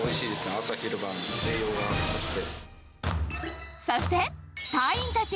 朝、昼、晩、栄養があって。